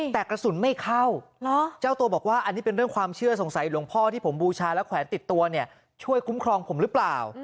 แต่กระสุนไม่เข้าเจ้าตัวบอกว่าอันนี้เป็นเรื่องความเชื่อสงสัยหลวงพ่อที่ผมบูชาแล้วแขวนติดตัวเนี่ยช่วยคุ้มครองผมหรือเปล่า